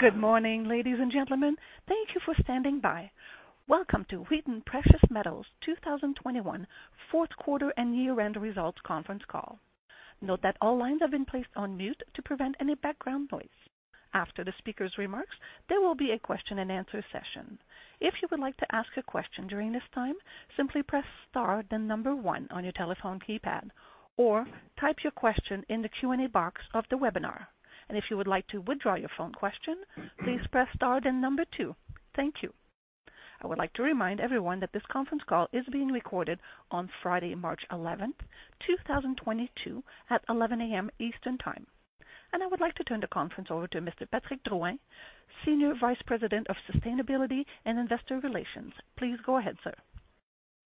Good morning, ladies and gentlemen. Thank you for standing by. Welcome to Wheaton Precious Metals 2021 fourth quarter and year-end results conference call. Note that all lines have been placed on mute to prevent any background noise. After the speaker's remarks, there will be a Q&A session. If you would like to ask a question during this time, simply press star then number one on your telephone keypad or type your question in the Q&A box of the webinar. If you would like to withdraw your phone question, please press star then number two. Thank you. I would like to remind everyone that this conference call is being recorded on Friday, March 11th, 2022 at 11 A.M. Eastern Time. I would like to turn the conference over to Mr. Patrick Drouin, Senior Vice President of Sustainability and Investor Relations. Please go ahead, sir.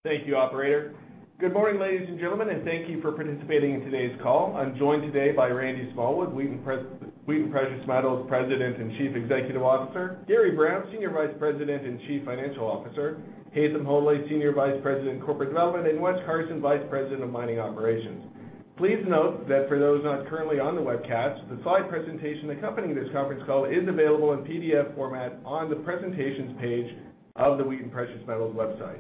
Thank you, operator. Good morning, ladies and gentlemen, and thank you for participating in today's call. I'm joined today by Randy Smallwood, Wheaton Precious Metals President and Chief Executive Officer, Gary Brown, Senior Vice President and Chief Financial Officer, Haytham Hodaly, Senior Vice President, Corporate Development, and Wes Carson, Vice President of Mining Operations. Please note that for those not currently on the webcast, the slide presentation accompanying this conference call is available in PDF format on the Presentations page of the Wheaton Precious Metals website.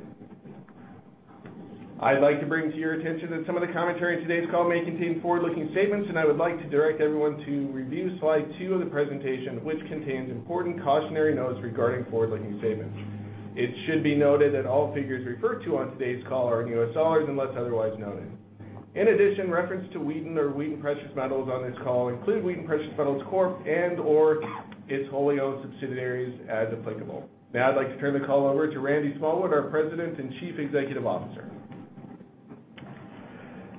I'd like to bring to your attention that some of the commentary in today's call may contain forward-looking statements, and I would like to direct everyone to review slide two of the presentation, which contains important cautionary notes regarding forward-looking statements. It should be noted that all figures referred to on today's call are in U.S. dollars unless otherwise noted. In addition, reference to Wheaton or Wheaton Precious Metals on this call include Wheaton Precious Metals Corp. and/or its wholly owned subsidiaries as applicable. Now I'd like to turn the call over to Randy Smallwood, our President and Chief Executive Officer.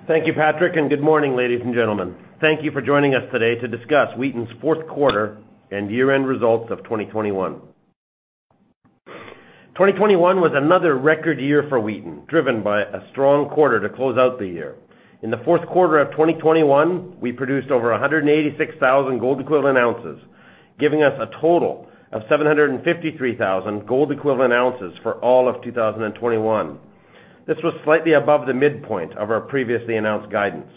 Thank you, Patrick, and good morning, ladies and gentlemen. Thank you for joining us today to discuss Wheaton's fourth quarter and year-end results of 2021. 2021 was another record year for Wheaton, driven by a strong quarter to close out the year. In the fourth quarter of 2021, we produced over 186,000 gold equivalent ounces, giving us a total of 753,000 gold equivalent ounces for all of 2021. This was slightly above the midpoint of our previously announced guidance.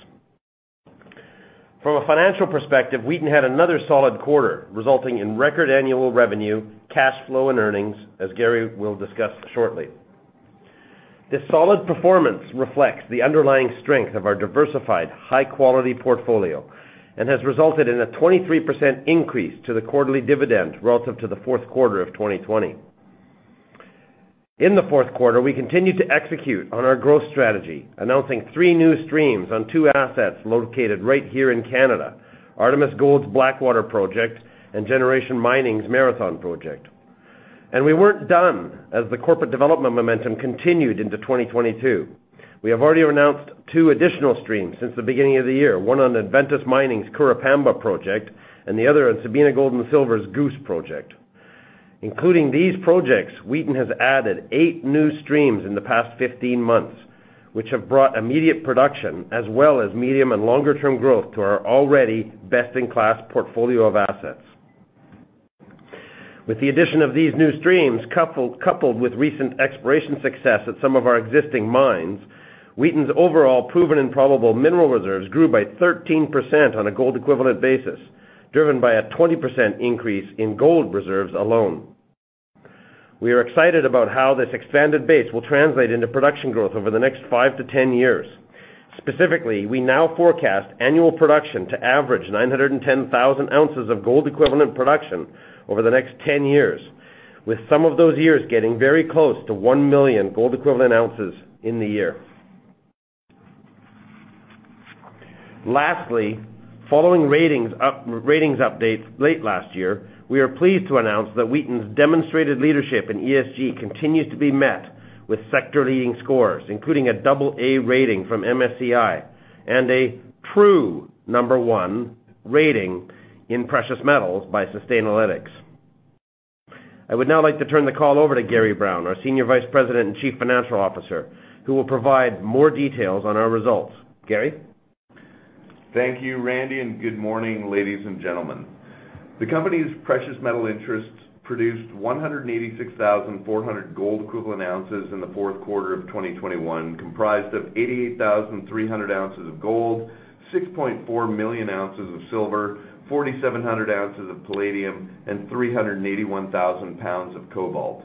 From a financial perspective, Wheaton had another solid quarter, resulting in record annual revenue, cash flow and earnings, as Gary will discuss shortly. This solid performance reflects the underlying strength of our diversified high quality portfolio and has resulted in a 23% increase to the quarterly dividend relative to the fourth quarter of 2020. In the fourth quarter, we continued to execute on our growth strategy, announcing three new streams on two assets located right here in Canada, Artemis Gold's Blackwater Project and Generation Mining's Marathon Project. We weren't done, as the corporate development momentum continued into 2022. We have already announced two additional streams since the beginning of the year, one on Adventus Mining's Curipamba Project and the other on Sabina Gold & Silver's Goose Project. Including these projects, Wheaton has added 8 new streams in the past 15 months, which have brought immediate production as well as medium- and longer-term growth to our already best-in-class portfolio of assets. With the addition of these new streams, coupled with recent exploration success at some of our existing mines, Wheaton's overall proven and probable mineral reserves grew by 13% on a gold equivalent basis, driven by a 20% increase in gold reserves alone. We are excited about how this expanded base will translate into production growth over the next 5-10 years. Specifically, we now forecast annual production to average 910,000 oz of gold equivalent production over the next 10 years, with some of those years getting very close to 1 million gold equivalent ounces in the year. Lastly, following ratings updates late last year, we are pleased to announce that Wheaton's demonstrated leadership in ESG continues to be met with sector leading scores, including a AA rating from MSCI and a true number one rating in precious metals by Sustainalytics. I would now like to turn the call over to Gary Brown, our Senior Vice President and Chief Financial Officer, who will provide more details on our results. Gary? Thank you, Randy, and good morning, ladies and gentlemen. The company's precious metal interests produced 186,400 gold equivalent ounces in the fourth quarter of 2021, comprised of 88,300 oz of gold, 6.4 million oz of silver, 4,700 oz of palladium, and 381,000 lbs of cobalt.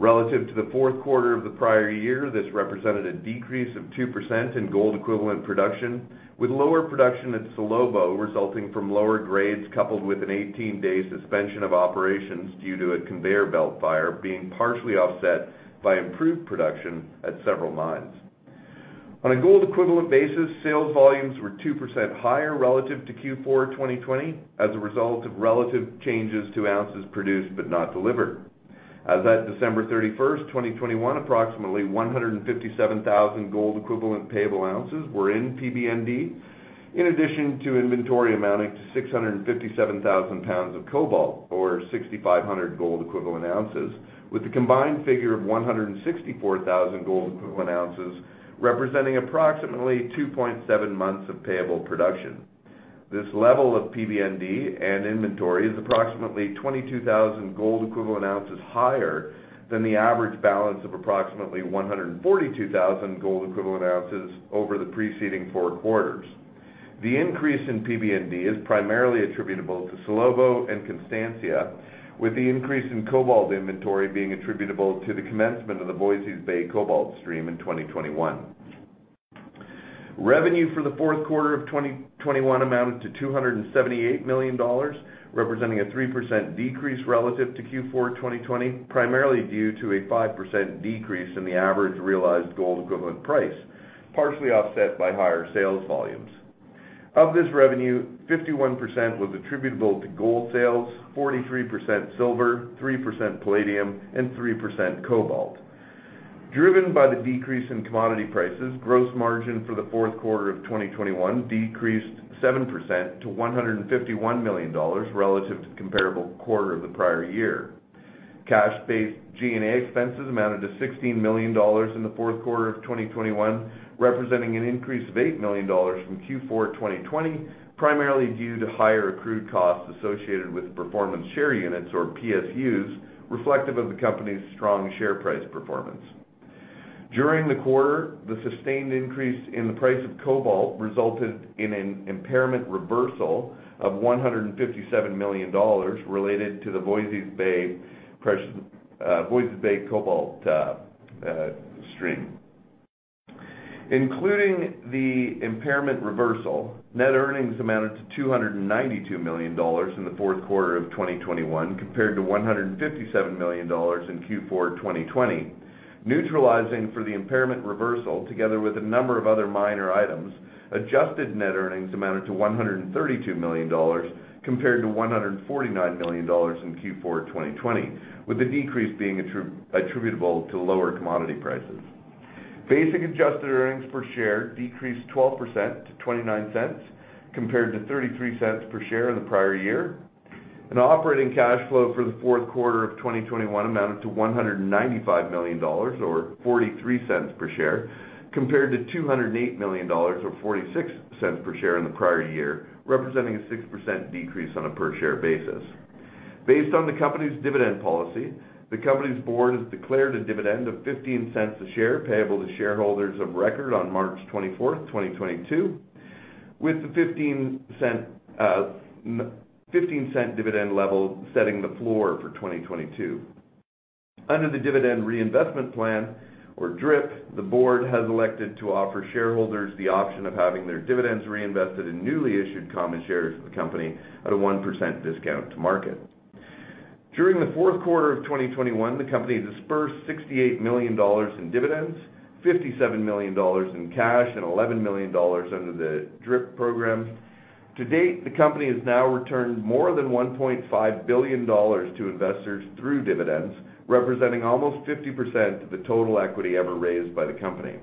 Relative to the fourth quarter of the prior year, this represented a decrease of 2% in gold equivalent production, with lower production at Salobo resulting from lower grades coupled with an 18-day suspension of operations due to a conveyor belt fire being partially offset by improved production at several mines. On a gold equivalent basis, sales volumes were 2% higher relative to Q4 2020 as a result of relative changes to ounces produced but not delivered. As at December 31st, 2021, approximately 157,000 gold equivalent payable ounces were in PBND, in addition to inventory amounting to 657,000 pounds of cobalt or 6,500 gold equivalent ounces, with a combined figure of 164,000 gold equivalent ounces representing approximately 2.7 months of payable production. This level of PBND and inventory is approximately 22,000 gold equivalent ounces higher than the average balance of approximately 142,000 gold equivalent ounces over the preceding fourth quarters. The increase in PBND is primarily attributable to Salobo and Constancia, with the increase in cobalt inventory being attributable to the commencement of the Voisey's Bay cobalt stream in 2021. Revenue for the fourth quarter of 2021 amounted to $278 million, representing a 3% decrease relative to Q4 2020, primarily due to a 5% decrease in the average realized gold equivalent price, partially offset by higher sales volumes. Of this revenue, 51% was attributable to gold sales, 43% silver, 3% palladium, and 3% cobalt. Driven by the decrease in commodity prices, gross margin for the fourth quarter of 2021 decreased 7% to $151 million relative to comparable quarter of the prior year. Cash-based G&A expenses amounted to $16 million in the fourth quarter of 2021, representing an increase of $8 million from Q4 2020, primarily due to higher accrued costs associated with performance share units, or PSUs, reflective of the company's strong share price performance. During the quarter, the sustained increase in the price of cobalt resulted in an impairment reversal of $157 million related to the Voisey's Bay Cobalt stream. Including the impairment reversal, net earnings amounted to $292 million in the fourth quarter of 2021, compared to $157 million in Q4 2020. Neutralizing for the impairment reversal together with a number of other minor items, adjusted net earnings amounted to $132 million compared to $149 million in Q4 2020, with the decrease being attributable to lower commodity prices. Basic adjusted earnings per share decreased 12% to $0.29 compared to $0.33 per share in the prior year. Operating cash flow for the fourth quarter of 2021 amounted to $195 million, or $0.43 per share, compared to $208 million, or $0.46 per share in the prior year, representing a 6% decrease on a per share basis. Based on the company's dividend policy, the company's board has declared a dividend of $0.15 a share payable to shareholders of record on March 24, 2022, with the $0.15 dividend level setting the floor for 2022. Under the dividend reinvestment plan, or DRIP, the board has elected to offer shareholders the option of having their dividends reinvested in newly issued common shares of the company at a 1% discount to market. During the fourth quarter of 2021, the company dispersed $68 million in dividends, $57 million in cash, and $11 million under the DRIP program. To date, the company has now returned more than $1.5 billion to investors through dividends, representing almost 50% of the total equity ever raised by the company.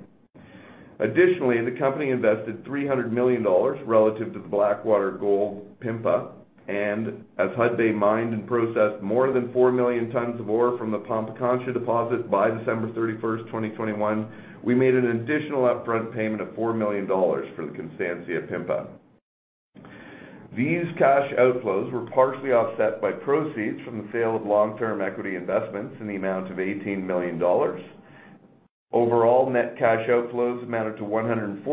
Additionally, the company invested $300 million relative to the Blackwater PMPA, and as Hudbay mined and processed more than 4 million tons of ore from the Pampacancha deposit by December 31st, 2021, we made an additional upfront payment of $4 million for the Constancia PMPA. These cash outflows were partially offset by proceeds from the sale of long-term equity investments in the amount of $18 million. Overall, net cash outflows amounted to $146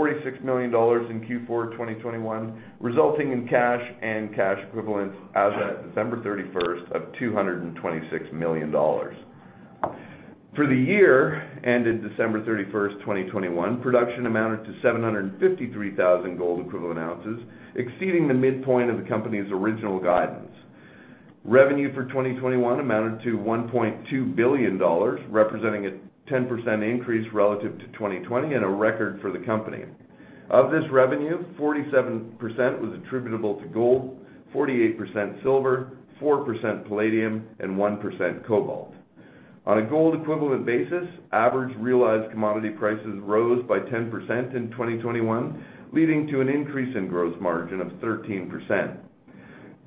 million in Q4 2021, resulting in cash and cash equivalents as at December 31st of $226 million. For the year ended December 31st, 2021, production amounted to 753,000 gold equivalent ounces, exceeding the midpoint of the company's original guidance. Revenue for 2021 amounted to $1.2 billion, representing a 10% increase relative to 2020 and a record for the company. Of this revenue, 47% was attributable to gold, 48% silver, 4% palladium, and 1% cobalt. On a gold equivalent basis, average realized commodity prices rose by 10% in 2021, leading to an increase in gross margin of 13%.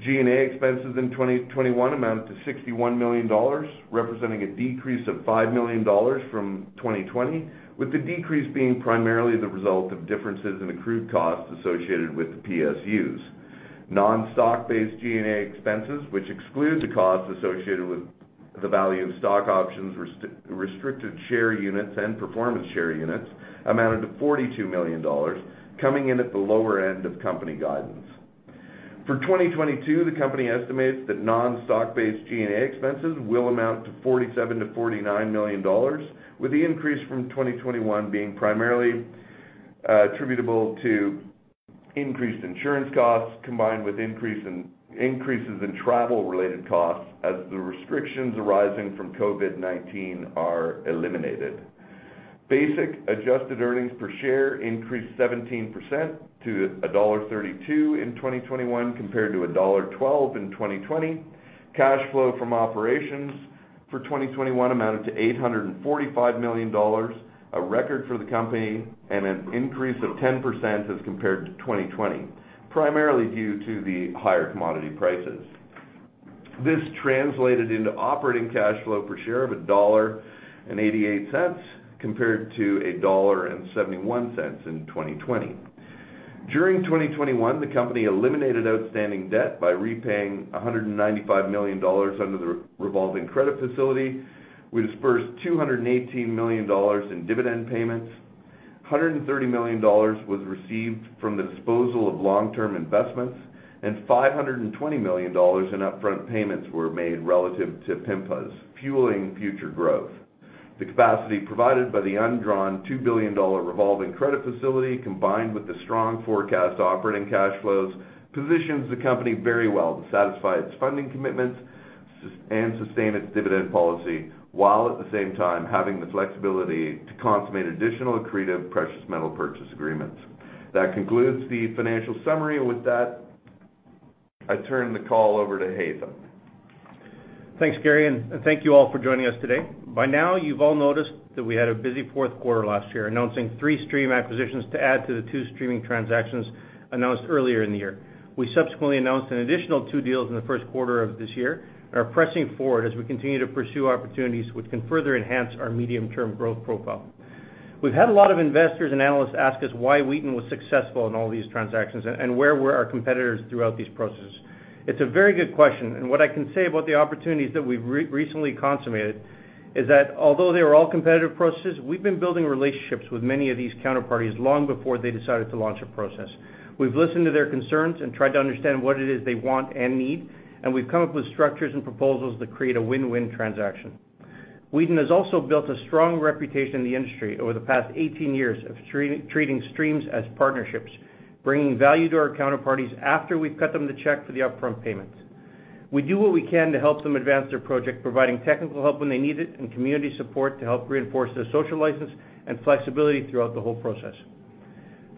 G&A expenses in 2021 amounted to $61 million, representing a decrease of $5 million from 2020, with the decrease being primarily the result of differences in accrued costs associated with the PSUs. Non-stock-based G&A expenses, which exclude the costs associated with the value of stock options, restricted share units, and performance share units, amounted to $42 million, coming in at the lower end of company guidance. For 2022, the company estimates that non-stock-based G&A expenses will amount to $47 million-$49 million, with the increase from 2021 being primarily attributable to increased insurance costs combined with increases in travel-related costs as the restrictions arising from COVID-19 are eliminated. Basic adjusted earnings per share increased 17% to $1.32 in 2021 compared to $1.12 in 2020. Cash flow from operations for 2021 amounted to $845 million, a record for the company, and an increase of 10% as compared to 2020, primarily due to the higher commodity prices. This translated into operating cash flow per share of $1.88 compared to $1.71 in 2020. During 2021, the company eliminated outstanding debt by repaying $195 million under the revolving credit facility. We dispersed $218 million in dividend payments. $130 million was received from the disposal of long-term investments and $520 million in upfront payments were made relative to PMPA's fueling future growth. The capacity provided by the undrawn $2 billion revolving credit facility, combined with the strong forecast operating cash flows, positions the company very well to satisfy its funding commitments and sustain its dividend policy, while at the same time having the flexibility to consummate additional accretive precious metal purchase agreements. That concludes the financial summary. With that, I turn the call over to Haytham. Thanks, Gary, and thank you all for joining us today. By now, you've all noticed that we had a busy fourth quarter last year, announcing three stream acquisitions to add to the two streaming transactions announced earlier in the year. We subsequently announced an additional 2 deals in the first quarter of this year and are pressing forward as we continue to pursue opportunities which can further enhance our medium-term growth profile. We've had a lot of investors and analysts ask us why Wheaton was successful in all these transactions and where were our competitors throughout these processes. It's a very good question, and what I can say about the opportunities that we've recently consummated is that although they were all competitive processes, we've been building relationships with many of these counterparties long before they decided to launch a process. We've listened to their concerns and tried to understand what it is they want and need, and we've come up with structures and proposals that create a win-win transaction. Wheaton has also built a strong reputation in the industry over the past 18 years of treating streams as partnerships, bringing value to our counterparties after we've cut them the check for the upfront payments. We do what we can to help them advance their project, providing technical help when they need it and community support to help reinforce their social license and flexibility throughout the whole process.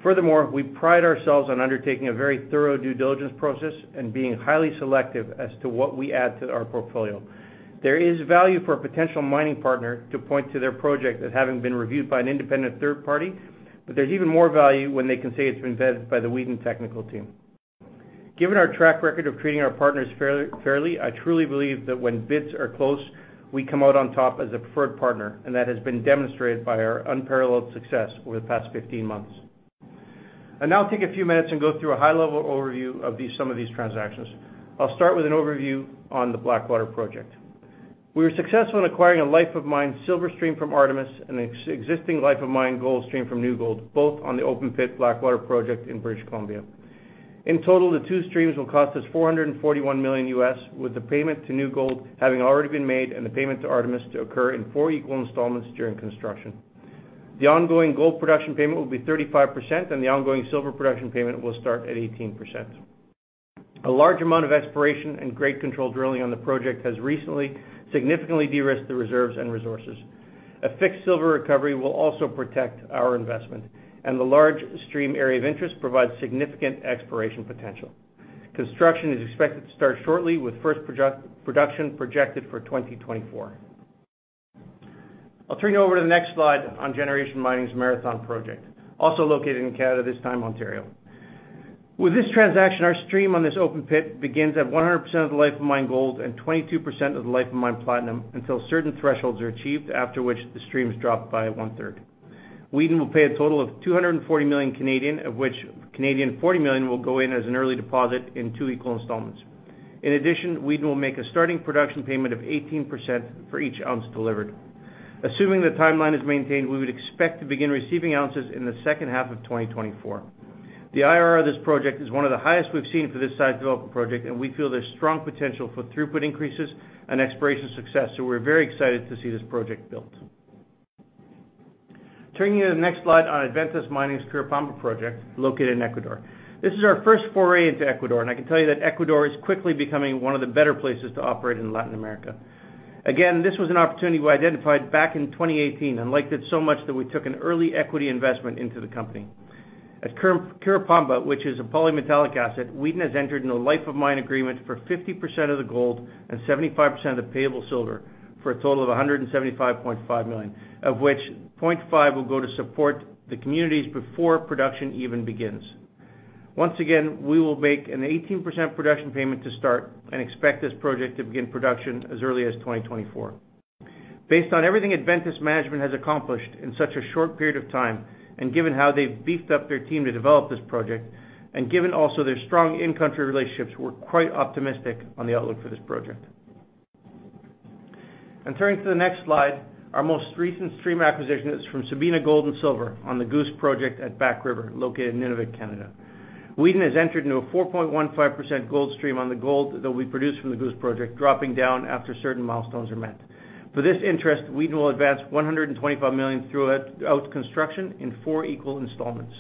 Furthermore, we pride ourselves on undertaking a very thorough due diligence process and being highly selective as to what we add to our portfolio. There is value for a potential mining partner to point to their project as having been reviewed by an independent third party, but there's even more value when they can say it's been vetted by the Wheaton technical team. Given our track record of treating our partners fairly, I truly believe that when bids are closed, we come out on top as a preferred partner, and that has been demonstrated by our unparalleled success over the past 15 months. I'll now take a few minutes and go through a high-level overview of these, some of these transactions. I'll start with an overview on the Blackwater Project. We were successful in acquiring a life of mine silver stream from Artemis and existing life of mine gold stream from New Gold, both on the open pit Blackwater Project in British Columbia. In total, the two streams will cost us $441 million, with the payment to New Gold having already been made and the payment to Artemis Gold to occur in four equal installments during construction. The ongoing gold production payment will be 35%, and the ongoing silver production payment will start at 18%. A large amount of exploration and great control drilling on the project has recently significantly de-risked the reserves and resources. A fixed silver recovery will also protect our investment, and the large stream area of interest provides significant exploration potential. Construction is expected to start shortly, with first production projected for 2024. I'll turn you over to the next slide on Generation Mining's Marathon Project, also located in Canada, this time Ontario. With this transaction, our stream on this open pit begins at 100% of the life of mine gold and 22% of the life of mine platinum until certain thresholds are achieved, after which the stream is dropped by one-third. Wheaton will pay a total of 240 million, of which 40 million will go in as an early deposit in two equal installments. In addition, Wheaton will make a starting production payment of 18% for each ounce delivered. Assuming the timeline is maintained, we would expect to begin receiving ounces in the second half of 2024. The IRR of this project is one of the highest we've seen for this size development project, and we feel there's strong potential for throughput increases and exploration success, so we're very excited to see this project built. Turning to the next slide on Adventus Mining's Curipamba Project, located in Ecuador. This is our first foray into Ecuador, and I can tell you that Ecuador is quickly becoming one of the better places to operate in Latin America. This was an opportunity we identified back in 2018 and liked it so much that we took an early equity investment into the company. At Curipamba, which is a polymetallic asset, Wheaton has entered into a life of mine agreement for 50% of the gold and 75% of the payable silver for a total of $175.5 million, of which $0.5 million will go to support the communities before production even begins. Once again, we will make an 18% production payment to start and expect this project to begin production as early as 2024. Based on everything Adventus management has accomplished in such a short period of time, and given how they've beefed up their team to develop this project, and given also their strong in-country relationships, we're quite optimistic on the outlook for this project. Turning to the next slide, our most recent stream acquisition is from Sabina Gold & Silver on the Goose Project at Back River, located in Nunavut, Canada. Wheaton has entered into a 4.15% gold stream on the gold that we produce from the Goose Project, dropping down after certain milestones are met. For this interest, Wheaton will advance $125 million throughout construction in four equal installments.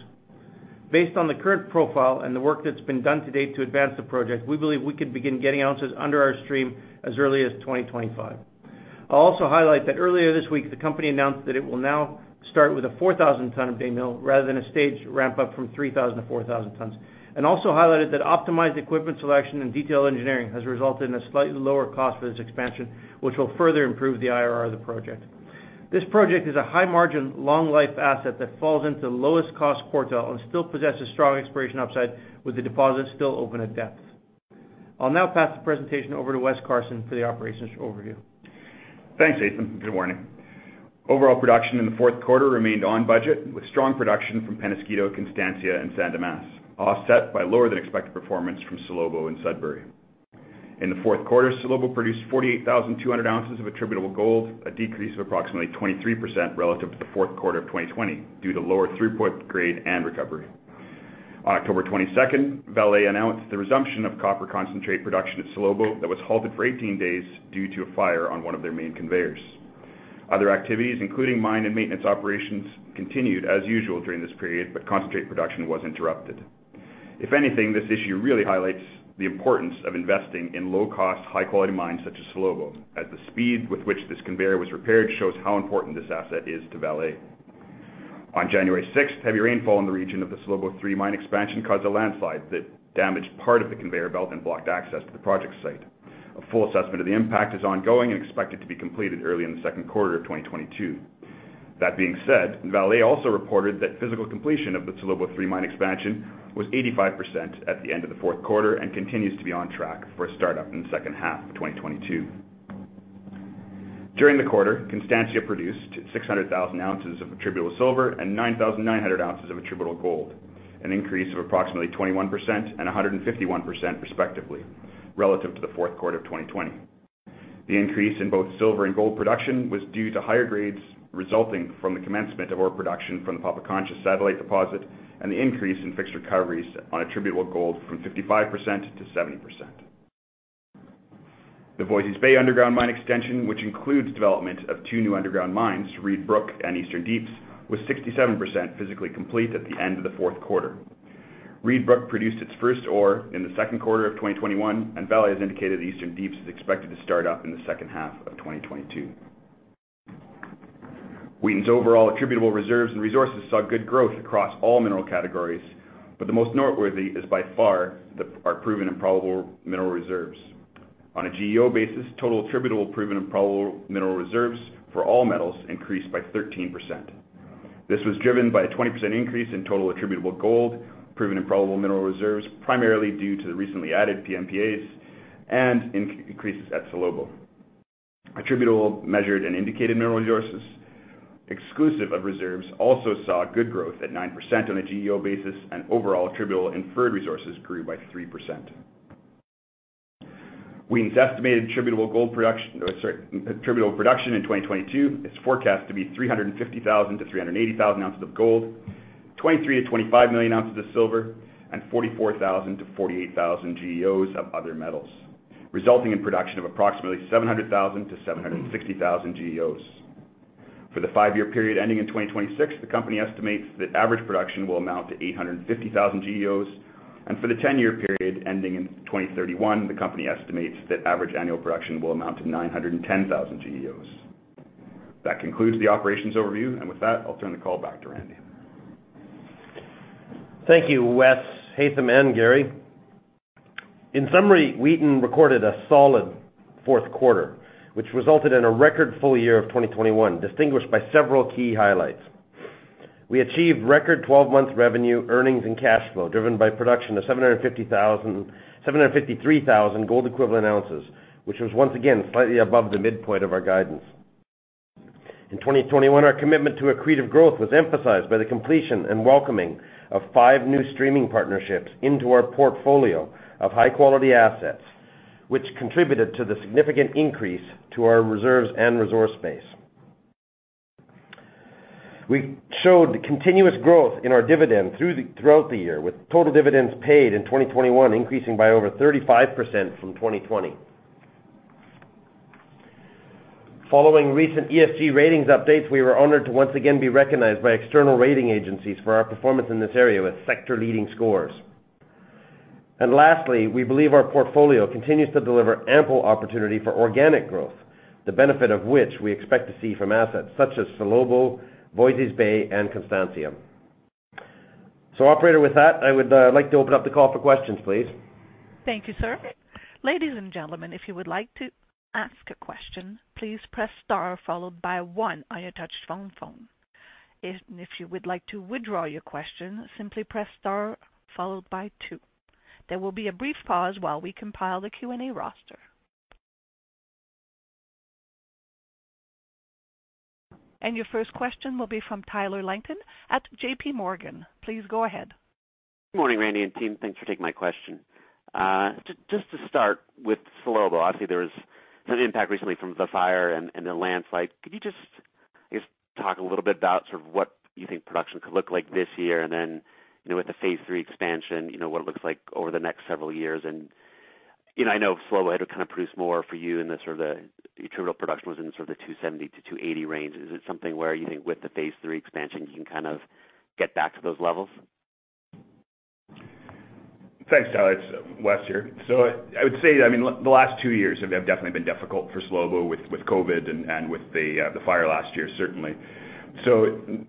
Based on the current profile and the work that's been done to date to advance the project, we believe we could begin getting ounces under our stream as early as 2025. I'll also highlight that earlier this week, the company announced that it will now start with a 4,000 ton per day mill rather than a staged ramp-up from 3,000-4,000 tons, and also highlighted that optimized equipment selection and detailed engineering has resulted in a slightly lower cost for this expansion, which will further improve the IRR of the project. This project is a high-margin, long-life asset that falls into the lowest cost quartile and still possesses strong exploration upside, with the deposit still open at depth. I'll now pass the presentation over to Wes Carson for the operations overview. Thanks, Haytham. Good morning. Overall production in the fourth quarter remained on budget, with strong production from Peñasquito, Constancia, and San Dimas, offset by lower than expected performance from Salobo and Sudbury. In the fourth quarter, Salobo produced 48,200 oz of attributable gold, a decrease of approximately 23% relative to the fourth quarter of 2020 due to lower throughput grade and recovery. On October 22nd, Vale announced the resumption of copper concentrate production at Salobo that was halted for 18 days due to a fire on one of their main conveyors. Other activities, including mine and maintenance operations, continued as usual during this period, but concentrate production was interrupted. If anything, this issue really highlights the importance of investing in low cost, high quality mines such as Salobo, as the speed with which this conveyor was repaired shows how important this asset is to Vale. On January 6th, heavy rainfall in the region of the Salobo III mine expansion caused a landslide that damaged part of the conveyor belt and blocked access to the project site. A full assessment of the impact is ongoing and expected to be completed early in the second quarter of 2022. That being said, Vale also reported that physical completion of the Salobo III mine expansion was 85% at the end of the fourth quarter and continues to be on track for a start-up in the second half of 2022. During the quarter, Constancia produced 600,000 oz of attributable silver and 9,900 oz of attributable gold, an increase of approximately 21% and 151% respectively relative to the fourth quarter of 2020. The increase in both silver and gold production was due to higher grades resulting from the commencement of ore production from the Pampacancha satellite deposit and the increase in fixed recoveries on attributable gold from 55% to 70%. The Voisey's Bay underground mine extension, which includes development of two new underground mines, Reed Brook and Eastern Deeps, was 67% physically complete at the end of the fourth quarter. Reed Brook produced its first ore in the second quarter of 2021, and Vale has indicated Eastern Deeps is expected to start up in the second half of 2022. Wheaton's overall attributable reserves and resources saw good growth across all mineral categories, but the most noteworthy is by far our proven and probable mineral reserves. On a GEO basis, total attributable proven and probable mineral reserves for all metals increased by 13%. This was driven by a 20% increase in total attributable gold proven and probable mineral reserves, primarily due to the recently added PMPAs and increases at Salobo. Attributable, measured, and indicated mineral resources exclusive of reserves also saw good growth at 9% on a GEO basis, and overall attributable inferred resources grew by 3%. Wheaton's estimated attributable production in 2022 is forecast to be 350,000-380,000 oz of gold, 23 million-25 million oz of silver, and 44,000-48,000 GEOs of other metals, resulting in production of approximately 700,000-760,000 GEOs. For the five-year period ending in 2026, the company estimates that average production will amount to 850,000 GEOs. For the ten-year period ending in 2031, the company estimates that average annual production will amount to 910,000 GEOs. That concludes the operations overview, and with that, I'll turn the call back to Randy. Thank you, Wes, Haytham, and Gary. In summary, Wheaton recorded a solid fourth quarter, which resulted in a record full year of 2021, distinguished by several key highlights. We achieved record 12-month revenue, earnings, and cash flow, driven by production of 753,000 gold equivalent ounces, which was once again slightly above the midpoint of our guidance. In 2021, our commitment to accretive growth was emphasized by the completion and welcoming of five new streaming partnerships into our portfolio of high-quality assets, which contributed to the significant increase to our reserves and resource base. We showed continuous growth in our dividend throughout the year, with total dividends paid in 2021 increasing by over 35% from 2020. Following recent ESG ratings updates, we were honored to once again be recognized by external rating agencies for our performance in this area with sector leading scores. Lastly, we believe our portfolio continues to deliver ample opportunity for organic growth, the benefit of which we expect to see from assets such as Salobo, Voisey's Bay, and Constancia. Operator, with that, I would like to open up the call for questions, please. Thank you, sir. Ladies and gentlemen, if you would like to ask a question, please press star followed by one on your touch-tone phone. If you would like to withdraw your question, simply press star followed by two. There will be a brief pause while we compile the Q&A roster. Your first question will be from Tyler Langton at JPMorgan. Please go ahead. Good morning, Randy and team. Thanks for taking my question. Just to start with Salobo, obviously there was some impact recently from the fire and the landslide. Could you just, I guess, talk a little bit about sort of what you think production could look like this year? Then, you know, with the phase three expansion, you know, what it looks like over the next several years. You know, I know Salobo had kind of produced more for you. Attributable production was in sort of the 270-280 range. Is it something where you think with the phase three expansion, you can kind of get back to those levels? Thanks, Tyler. It's Wes here. I would say, I mean, the last two years have definitely been difficult for Salobo with COVID and with the fire last year, certainly.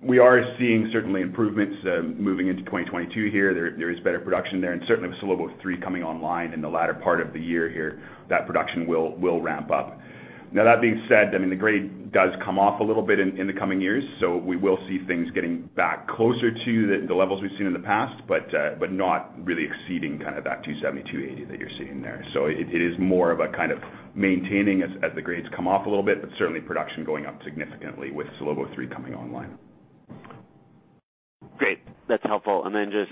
We are seeing certainly improvements moving into 2022 here. There is better production there, and certainly with Salobo III coming online in the latter part of the year here, that production will ramp up. Now that being said, I mean, the grade does come off a little bit in the coming years, so we will see things getting back closer to the levels we've seen in the past, but not really exceeding kind of that 270, 280 that you're seeing there. It is more of a kind of maintaining as the grades come off a little bit, but certainly production going up significantly with Salobo III coming online. Great. That's helpful. Then just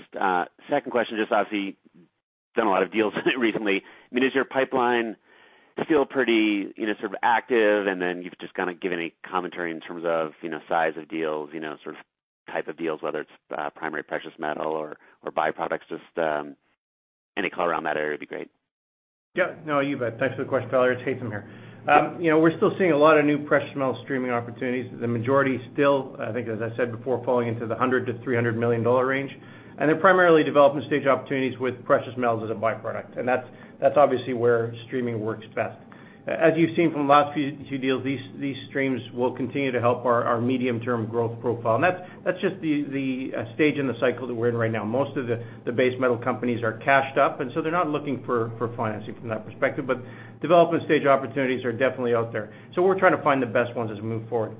second question, just obviously done a lot of deals recently. I mean, is your pipeline still pretty, you know, sort of active? Then you've just kinda given any commentary in terms of, you know, size of deals, you know, sort of type of deals, whether it's primary precious metal or byproducts, just any color around that area would be great. Yeah, no, you bet. Thanks for the question, Tyler. It's Haytham here. You know, we're still seeing a lot of new precious metal streaming opportunities. The majority still, I think as I said before, falling into the $100 million-$300 million range. They're primarily development stage opportunities with precious metals as a byproduct. That's obviously where streaming works best. As you've seen from the last few deals, these streams will continue to help our medium-term growth profile. That's just the stage in the cycle that we're in right now. Most of the base metal companies are cashed up, and so they're not looking for financing from that perspective, but development stage opportunities are definitely out there. We're trying to find the best ones as we move forward.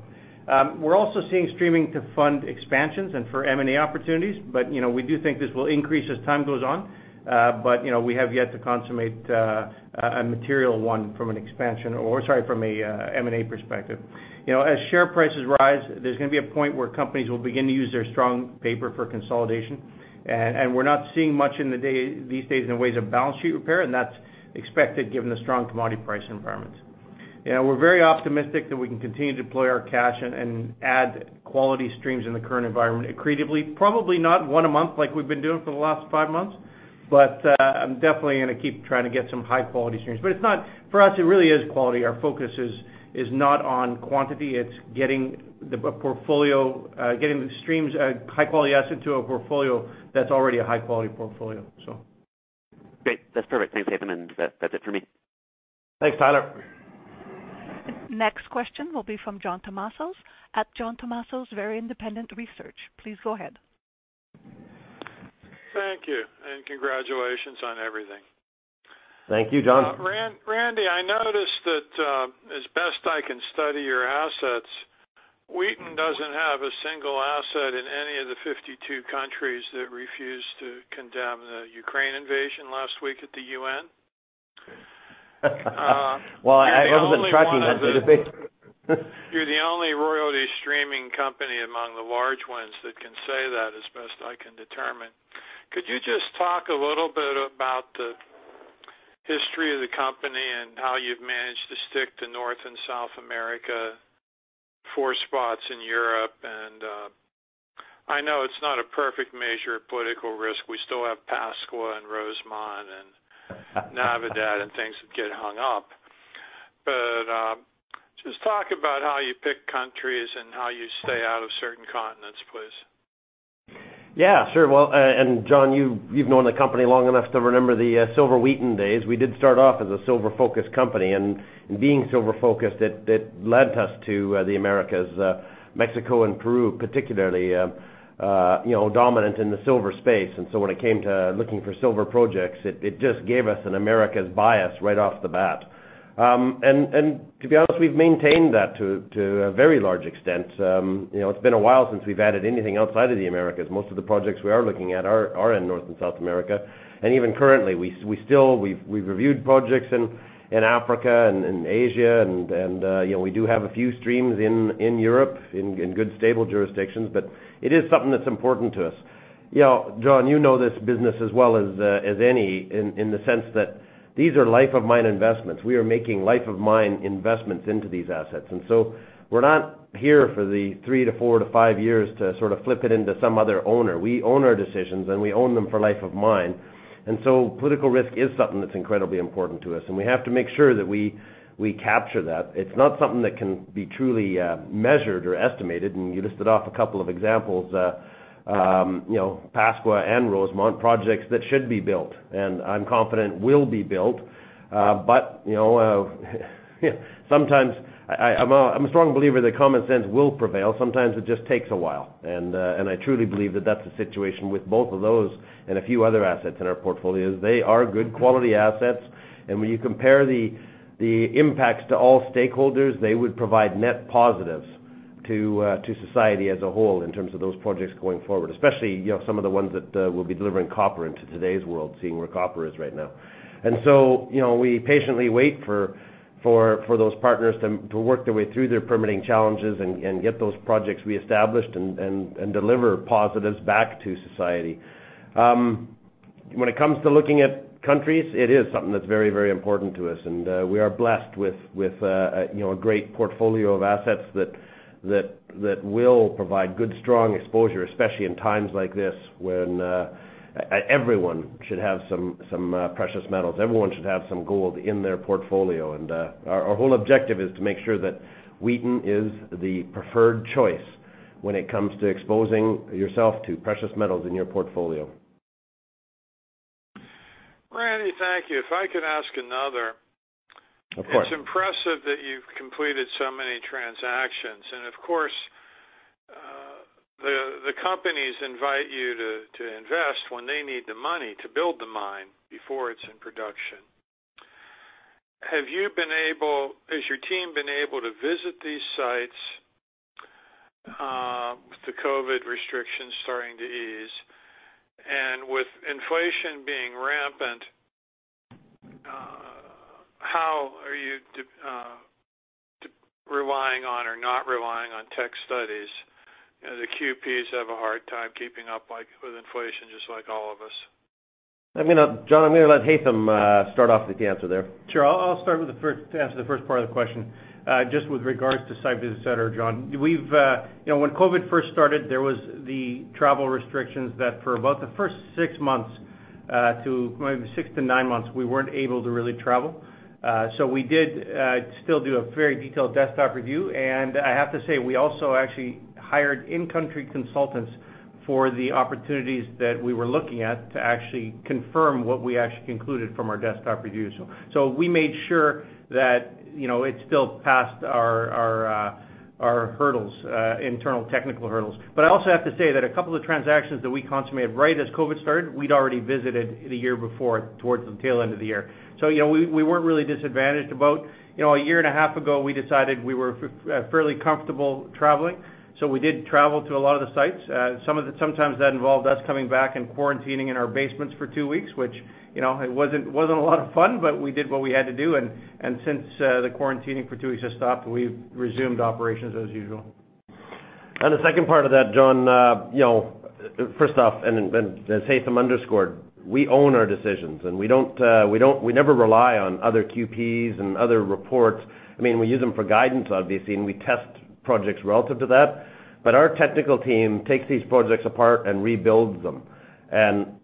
We're also seeing streaming to fund expansions and for M&A opportunities, but, you know, we do think this will increase as time goes on. But, you know, we have yet to consummate a material one from an expansion or, sorry, from a M&A perspective. You know, as share prices rise, there's gonna be a point where companies will begin to use their strong paper for consolidation. We're not seeing much in these days in the ways of balance sheet repair, and that's expected given the strong commodity price environments. You know, we're very optimistic that we can continue to deploy our cash and add quality streams in the current environment accretively. Probably not one a month like we've been doing for the last five months, but, I'm definitely gonna keep trying to get some high quality streams. It's not. For us, it really is quality. Our focus is not on quantity, it's getting the best portfolio, getting the streams, high quality asset to a portfolio that's already a high quality portfolio. Great. That's perfect. Thanks, Haytham, and that's it for me. Thanks, Tyler. Next question will be from John Tumazos at John Tumazos Very Independent Research. Please go ahead. Thank you, and congratulations on everything. Thank you, John. Randy, I noticed that, as best I can study your assets, Wheaton doesn't have a single asset in any of the 52 countries that refused to condemn the Ukraine invasion last week at the U.N. Well, I wasn't tracking that debate. You're the only royalty streaming company among the large ones that can say that, as best I can determine. Could you just talk a little bit about the history of the company and how you've managed to stick to North and South America, four spots in Europe? I know it's not a perfect measure of political risk. We still have Pascua and Rosemont and Navidad and things that get hung up. Just talk about how you pick countries and how you stay out of certain continents, please. Yeah, sure. Well, John, you've known the company long enough to remember the Silver Wheaton days. We did start off as a silver-focused company, and being silver-focused, it led us to the Americas, Mexico and Peru particularly, you know, dominant in the silver space. When it came to looking for silver projects, it just gave us an Americas bias right off the bat. To be honest, we've maintained that to a very large extent. You know, it's been a while since we've added anything outside of the Americas. Most of the projects we are looking at are in North and South America. Even currently, we still, we've reviewed projects in Africa and in Asia and, you know, we do have a few streams in Europe in good stable jurisdictions, but it is something that's important to us. You know, John, you know this business as well as any in the sense that these are life of mine investments. We are making life of mine investments into these assets. We're not here for the three to four to five years to sort of flip it into some other owner. We own our decisions, and we own them for life of mine. Political risk is something that's incredibly important to us, and we have to make sure that we capture that. It's not something that can be truly measured or estimated. You listed off a couple of examples, you know, Pascua and Rosemont projects that should be built, and I'm confident will be built. You know, sometimes I'm a strong believer that common sense will prevail. Sometimes it just takes a while. I truly believe that that's the situation with both of those and a few other assets in our portfolios. They are good quality assets. When you compare the impacts to all stakeholders, they would provide net positives to society as a whole in terms of those projects going forward, especially, you know, some of the ones that will be delivering copper into today's world, seeing where copper is right now. You know, we patiently wait for those partners to work their way through their permitting challenges and get those projects reestablished and deliver positives back to society. When it comes to looking at countries, it is something that's very, very important to us, and we are blessed with you know, a great portfolio of assets that will provide good, strong exposure, especially in times like this when everyone should have some precious metals. Everyone should have some gold in their portfolio. Our whole objective is to make sure that Wheaton is the preferred choice when it comes to exposing yourself to precious metals in your portfolio. Randy, thank you. If I could ask another. Of course. It's impressive that you've completed so many transactions. Of course, the companies invite you to invest when they need the money to build the mine before it's in production. Has your team been able to visit these sites with the COVID restrictions starting to ease? With inflation being rampant. Relying on or not relying on tech studies. You know, the QPs have a hard time keeping up, like, with inflation, just like all of us. John, I'm gonna let Haytham start off with the answer there. Sure. I'll start with the first to answer the first part of the question. Just with regards to site visits, John. You know, when COVID first started, there was the travel restrictions that for about the first six months to maybe six to nine months, we weren't able to really travel. So we did still do a very detailed desktop review. And I have to say, we also actually hired in-country consultants for the opportunities that we were looking at to actually confirm what we actually concluded from our desktop reviews. So we made sure that, you know, it still passed our internal technical hurdles. I also have to say that a couple of transactions that we consummated right as COVID started, we'd already visited the year before, towards the tail end of the year. You know, we weren't really disadvantaged about. You know, a year and a half ago, we decided we were fairly comfortable traveling, so we did travel to a lot of the sites. Sometimes that involved us coming back and quarantining in our basements for two weeks, which, you know, it wasn't a lot of fun, but we did what we had to do. Since the quarantining for two weeks has stopped, we've resumed operations as usual. On the second part of that, John, you know, first off, and as Haytham underscored, we own our decisions, and we never rely on other QPs and other reports. I mean, we use them for guidance, obviously, and we test projects relative to that. Our technical team takes these projects apart and rebuilds them.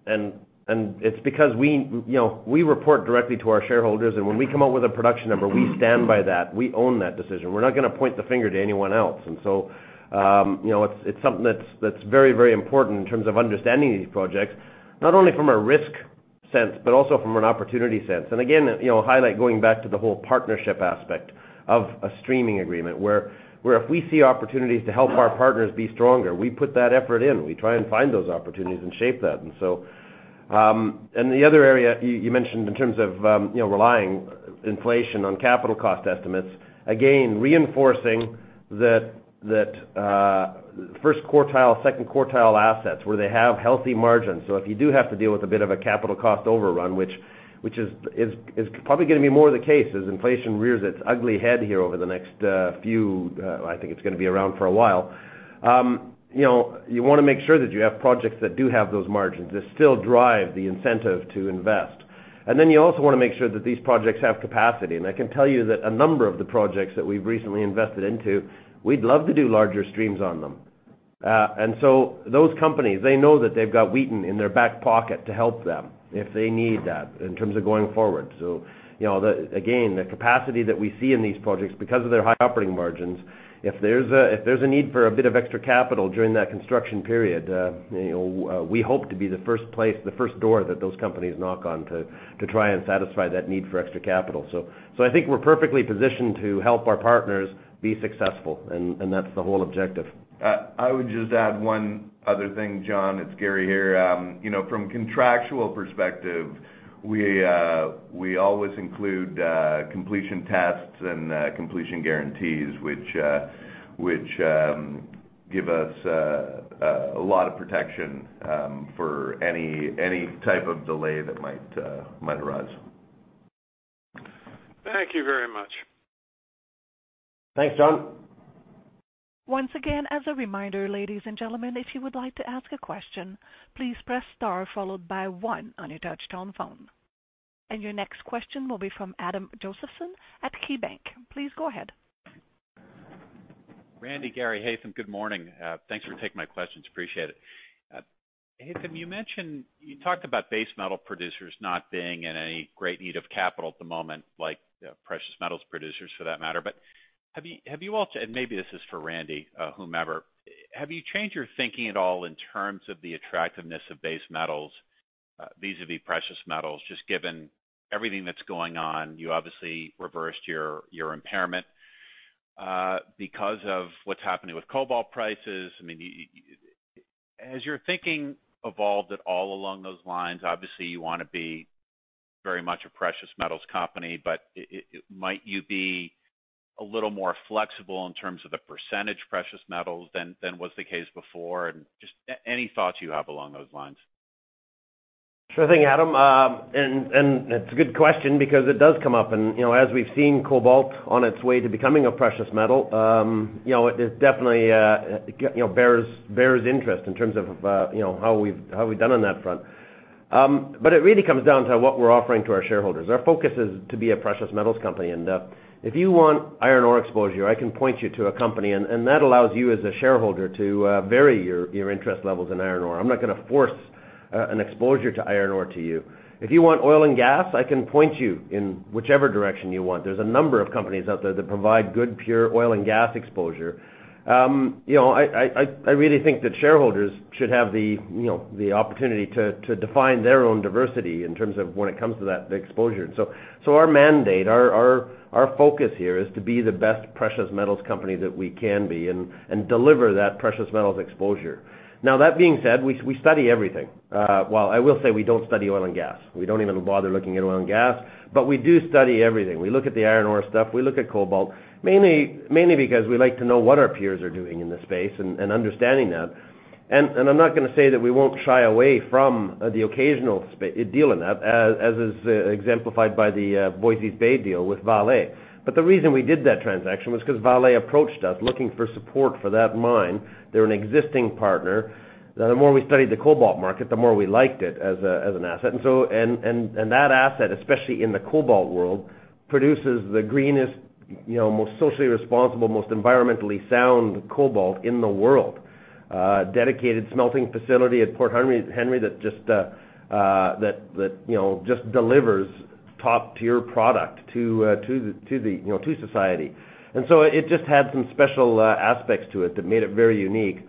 It's because we, you know, we report directly to our shareholders, and when we come out with a production number, we stand by that. We own that decision. We're not gonna point the finger to anyone else. You know, it's something that's very important in terms of understanding these projects, not only from a risk sense, but also from an opportunity sense. Again, you know, highlight going back to the whole partnership aspect of a streaming agreement, where if we see opportunities to help our partners be stronger, we put that effort in. We try and find those opportunities and shape that. The other area you mentioned in terms of, you know, relying on inflation on capital cost estimates, again, reinforcing that first quartile, second quartile assets where they have healthy margins. If you do have to deal with a bit of a capital cost overrun, which is probably gonna be more the case as inflation rears its ugly head here over the next few, I think it's gonna be around for a while. You know, you wanna make sure that you have projects that do have those margins, that still drive the incentive to invest. You also wanna make sure that these projects have capacity. I can tell you that a number of the projects that we've recently invested into, we'd love to do larger streams on them. Those companies, they know that they've got Wheaton in their back pocket to help them if they need that in terms of going forward. You know, again, the capacity that we see in these projects, because of their high operating margins, if there's a need for a bit of extra capital during that construction period, you know, we hope to be the first place, the first door that those companies knock on to try and satisfy that need for extra capital. I think we're perfectly positioned to help our partners be successful, and that's the whole objective. I would just add one other thing, John. It's Gary here. You know, from a contractual perspective, we always include completion tests and completion guarantees, which give us a lot of protection for any type of delay that might arise. Thank you very much. Thanks, John. Once again, as a reminder, ladies and gentlemen, if you would like to ask a question, please press star followed by one on your touchtone phone. Your next question will be from Adam Josephson at KeyBanc. Please go ahead. Randy, Gary, Haytham, good morning. Thanks for taking my questions. Appreciate it. Haytham, you talked about base metal producers not being in any great need of capital at the moment, like precious metals producers for that matter. Have you all maybe this is for Randy, whomever. Have you changed your thinking at all in terms of the attractiveness of base metals, vis-à-vis precious metals, just given everything that's going on? You obviously reversed your impairment because of what's happening with cobalt prices. I mean, has your thinking evolved at all along those lines? Obviously, you wanna be very much a precious metals company, but might you be a little more flexible in terms of the percentage precious metals than was the case before? Just any thoughts you have along those lines. Sure thing, Adam. It's a good question because it does come up. You know, as we've seen cobalt on its way to becoming a precious metal, you know, it definitely, you know, bears interest in terms of, you know, how we've done on that front. But it really comes down to what we're offering to our shareholders. Our focus is to be a precious metals company. If you want iron ore exposure, I can point you to a company, and that allows you as a shareholder to vary your interest levels in iron ore. I'm not gonna force an exposure to iron ore to you. If you want oil and gas, I can point you in whichever direction you want. There's a number of companies out there that provide good, pure oil and gas exposure. You know, I really think that shareholders should have the you know, the opportunity to define their own diversity in terms of when it comes to that, the exposure. Our mandate, our focus here is to be the best precious metals company that we can be and deliver that precious metals exposure. Now, that being said, we study everything. Well, I will say we don't study oil and gas. We don't even bother looking at oil and gas, but we do study everything. We look at the iron ore stuff. We look at cobalt, mainly because we like to know what our peers are doing in this space and understanding that. I'm not gonna say that we won't shy away from the occasional special deal or two, as is exemplified by the Voisey's Bay deal with Vale. The reason we did that transaction was because Vale approached us looking for support for that mine. They're an existing partner. The more we studied the cobalt market, the more we liked it as an asset. That asset, especially in the cobalt world, produces the greenest, you know, most socially responsible, most environmentally sound cobalt in the world. Dedicated smelting facility at Long Harbour, Newfoundland, that just delivers top-tier product to society. It just had some special aspects to it that made it very unique.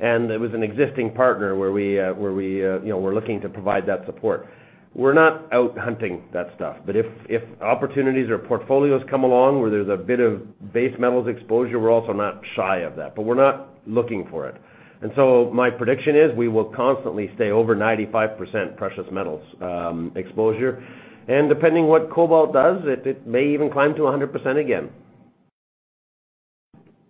It was an existing partner where we you know were looking to provide that support. We're not out hunting that stuff. If opportunities or portfolios come along where there's a bit of base metals exposure, we're also not shy of that, but we're not looking for it. My prediction is we will constantly stay over 95% precious metals exposure. Depending what cobalt does, it may even climb to 100% again.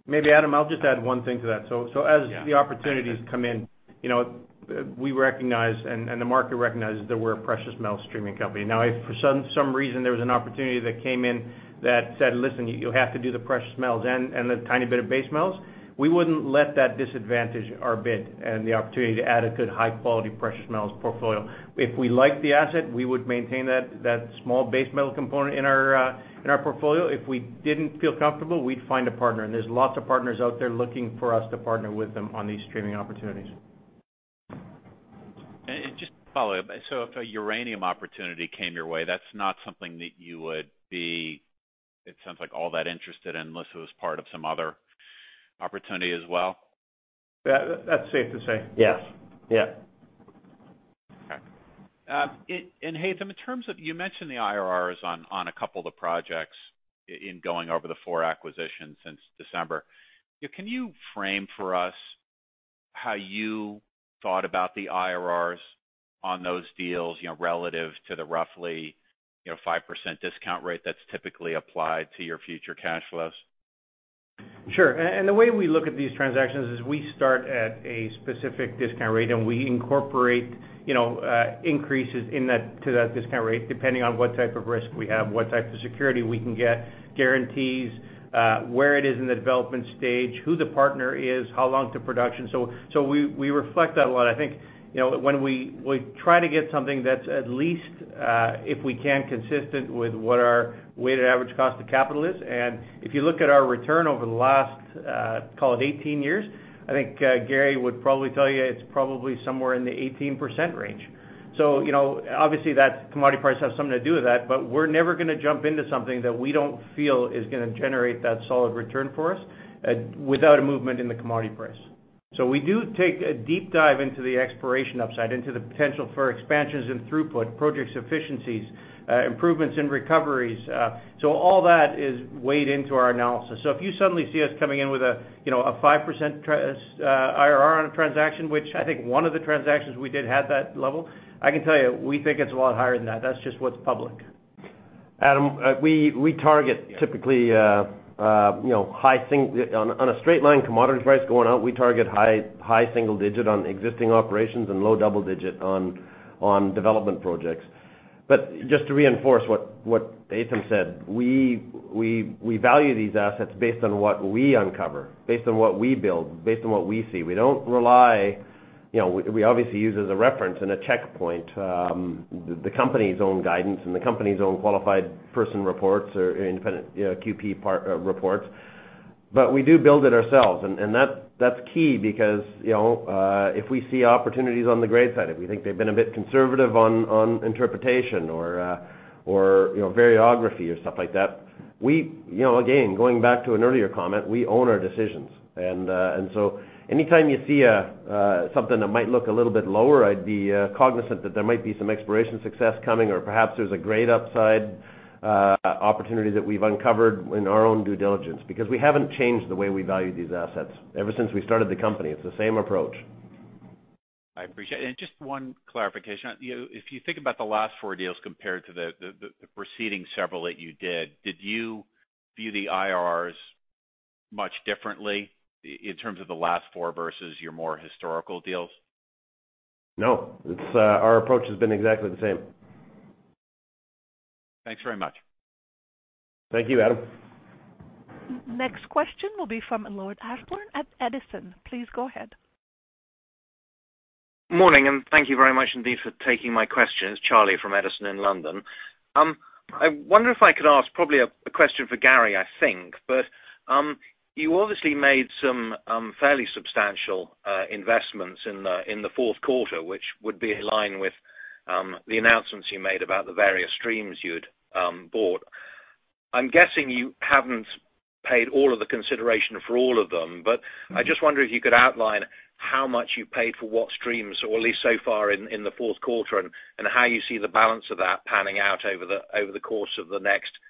Maybe Adam, I'll just add one thing to that. As the opportunities come in, you know, we recognize and the market recognizes that we're a precious metal streaming company. Now, if for some reason there was an opportunity that came in that said, "Listen, you have to do the precious metals and the tiny bit of base metals," we wouldn't let that disadvantage our bid and the opportunity to add a good high quality precious metals portfolio. If we like the asset, we would maintain that small base metal component in our portfolio. If we didn't feel comfortable, we'd find a partner. There's lots of partners out there looking for us to partner with them on these streaming opportunities. Just to follow up, so if a uranium opportunity came your way, that's not something that you would be, it sounds like, all that interested in unless it was part of some other opportunity as well? That, that's safe to say. Yes. Yeah. Okay. Haytham, in terms of, you mentioned the IRRs on a couple of the projects in going over the four acquisitions since December. Can you frame for us how you thought about the IRRs on those deals, you know, relative to the roughly, you know, 5% discount rate that's typically applied to your future cash flows? Sure. The way we look at these transactions is we start at a specific discount rate, and we incorporate, you know, increases in that, to that discount rate, depending on what type of risk we have, what type of security we can get, guarantees, where it is in the development stage, who the partner is, how long to production. We reflect that a lot. I think, you know, when we try to get something that's at least, if we can, consistent with what our weighted average cost of capital is. If you look at our return over the last, call it 18 years, I think, Gary would probably tell you it's probably somewhere in the 18% range. You know, obviously, that commodity price has something to do with that, but we're never gonna jump into something that we don't feel is gonna generate that solid return for us without a movement in the commodity price. We do take a deep dive into the exploration upside, into the potential for expansions in throughput, project efficiencies, improvements in recoveries. All that is weighed into our analysis. If you suddenly see us coming in with a, you know, a 5% IRR on a transaction, which I think one of the transactions we did had that level, I can tell you, we think it's a lot higher than that. That's just what's public. Adam, we target typically, you know, high single digit. On a straight line commodity price going out, we target high single digit on existing operations and low double digit on development projects. Just to reinforce what Haytham said, we value these assets based on what we uncover, based on what we build, based on what we see. We don't rely, you know. We obviously use as a reference and a checkpoint, the company's own guidance and the company's own Qualified Person reports or independent QP reports. We do build it ourselves. That's key because, you know, if we see opportunities on the grade side, if we think they've been a bit conservative on interpretation or, you know, variography or stuff like that, we, you know, again, going back to an earlier comment, we own our decisions. So anytime you see something that might look a little bit lower, I'd be cognizant that there might be some exploration success coming, or perhaps there's a great upside opportunity that we've uncovered in our own due diligence. Because we haven't changed the way we value these assets. Ever since we started the company, it's the same approach. I appreciate. Just one clarification. You if you think about the last four deals compared to the preceding several that you did you view the IRRs much differently in terms of the last four versus your more historical deals? No. It's, our approach has been exactly the same. Thanks very much. Thank you, Adam. Next question will be from Lord Ashbourne at Edison. Please go ahead. Morning, thank you very much indeed for taking my questions. Charlie from Edison in London. I wonder if I could ask probably a question for Gary, I think. You obviously made some fairly substantial investments in the fourth quarter, which would be in line with the announcements you made about the various streams you had bought. I'm guessing you haven't paid all of the consideration for all of them, but I just wonder if you could outline how much you paid for what streams, or at least so far in the fourth quarter, and how you see the balance of that panning out over the course of the next year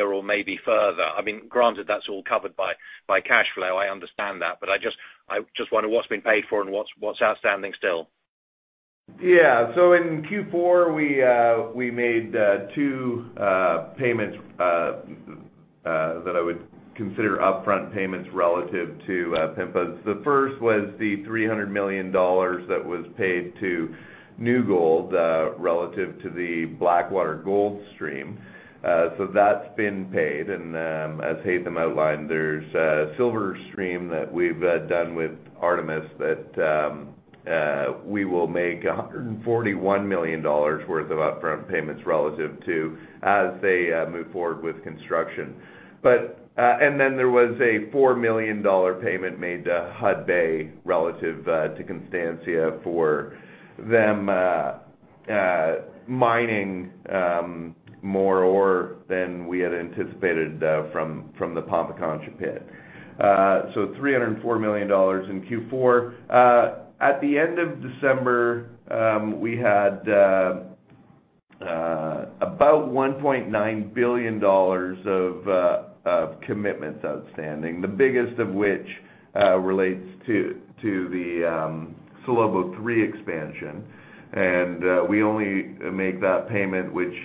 or maybe further. I mean, granted, that's all covered by cash flow. I understand that, but I just wonder what's been paid for and what's outstanding still. Yeah. In Q4, we made two payments that I would consider upfront payments relative to Pampacancha. The first was the $300 million that was paid to New Gold relative to the Blackwater gold stream. That's been paid. As Haytham outlined, there's a silver stream that we've done with Artemis Gold that we will make $141 million worth of upfront payments relative to as they move forward with construction. Then there was a $4 million payment made to Hudbay relative to Constancia for them mining more ore than we had anticipated from the Pampacancha pit. $304 million in Q4. At the end of December, we had about $1.9 billion of commitments outstanding. The biggest of which relates to the Salobo III expansion. We only make that payment, which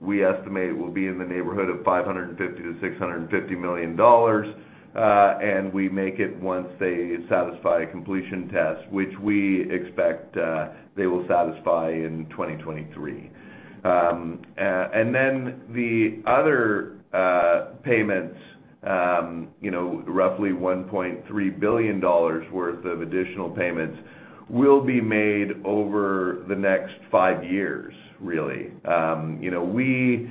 we estimate will be in the neighborhood of $550 million-$650 million. We make it once they satisfy completion tests, which we expect they will satisfy in 2023. Then the other payments, you know, roughly $1.3 billion worth of additional payments will be made over the next five years, really. You know,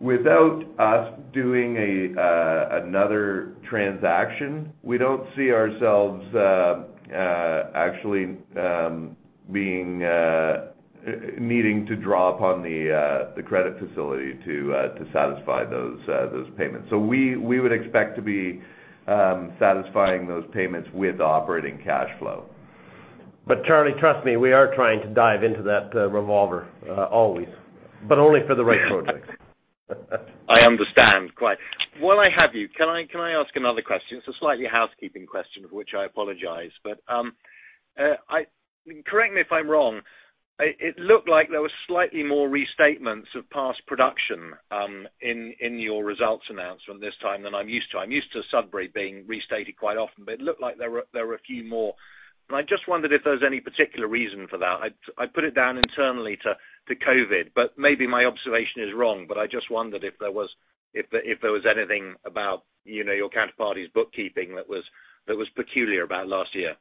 without us doing another transaction, we don't see ourselves actually being needing to draw upon the credit facility to satisfy those payments. We would expect to be satisfying those payments with operating cash flow. Charlie, trust me, we are trying to dive into that revolver always, but only for the right projects. I understand. Quite. While I have you, can I ask another question? It's a slight housekeeping question for which I apologize. Correct me if I'm wrong, it looked like there was slightly more restatements of past production in your results announcement this time than I'm used to. I'm used to Sudbury being restated quite often, but it looked like there were a few more. I just wondered if there's any particular reason for that. I'd put it down internally to COVID, but maybe my observation is wrong, but I just wondered if there was anything about, you know, your counterparties bookkeeping that was peculiar about last year.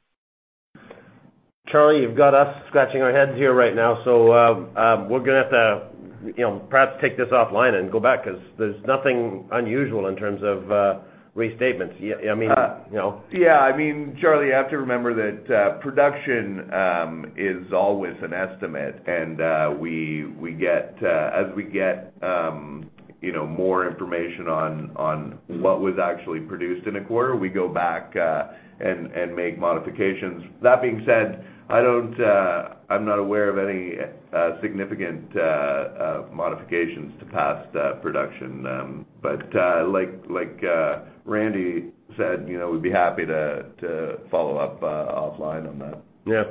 Charlie, you've got us scratching our heads here right now, so we're gonna have to, you know, perhaps take this offline and go back because there's nothing unusual in terms of restatements. I mean, you know. Yeah, I mean, Charlie, you have to remember that, production is always an estimate. We get, as we get, you know, more information on what was actually produced in a quarter, we go back and make modifications. That being said, I'm not aware of any significant modifications to past production. Like Randy said, you know, we'd be happy to follow up offline on that. Yeah.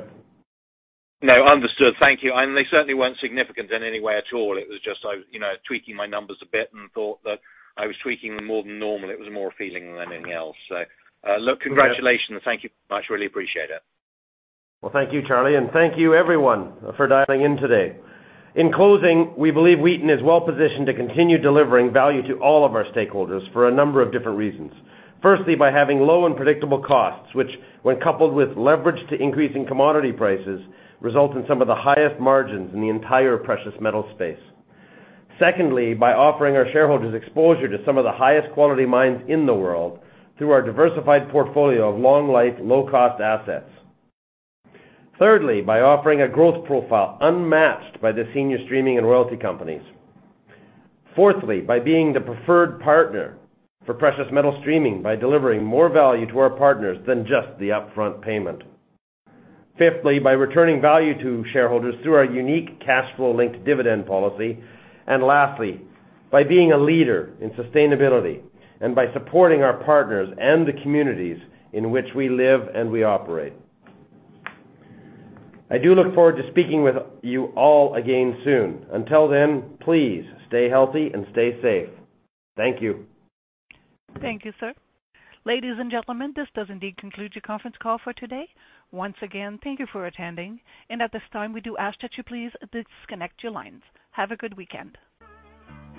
No, understood. Thank you. They certainly weren't significant in any way at all. It was just, I, you know, tweaking my numbers a bit and thought that I was tweaking more than normal. It was more a feeling than anything else. Look, congratulations. Thank you very much. Really appreciate it. Well, thank you, Charlie, and thank you everyone for dialing in today. In closing, we believe Wheaton is well positioned to continue delivering value to all of our stakeholders for a number of different reasons. Firstly, by having low and predictable costs, which when coupled with leverage to increasing commodity prices, result in some of the highest margins in the entire precious metal space. Secondly, by offering our shareholders exposure to some of the highest quality mines in the world through our diversified portfolio of long life, low cost assets. Thirdly, by offering a growth profile unmatched by the senior streaming and royalty companies. Fourthly, by being the preferred partner for precious metal streaming, by delivering more value to our partners than just the upfront payment. Fifthly, by returning value to shareholders through our unique cash flow linked dividend policy. Lastly, by being a leader in sustainability and by supporting our partners and the communities in which we live and we operate. I do look forward to speaking with you all again soon. Until then, please stay healthy and stay safe. Thank you. Thank you, sir. Ladies and gentlemen, this does indeed conclude your conference call for today. Once again, thank you for attending. At this time, we do ask that you please disconnect your lines. Have a good weekend.